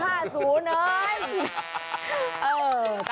เออ